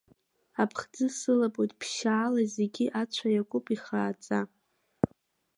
Аԥхӡы сылабоит ԥшьаала, зегьы ацәа иакуп ихааӡа.